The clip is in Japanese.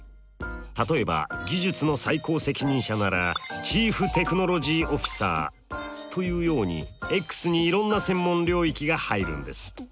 例えば技術の最高責任者ならチーフテクノロジーオフィサーというようにｘにいろんな専門領域が入るんです。